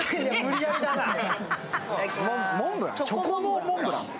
チョコのモンブラン？